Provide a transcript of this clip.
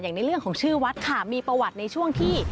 ในเรื่องของชื่อวัดค่ะมีประวัติในช่วงที่